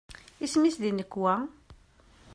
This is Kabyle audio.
Isem-is di nnekwa?